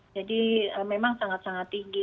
jadi memang sangat sangat tinggi